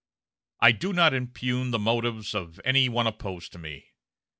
I do not impugn the motives of any one opposed to me.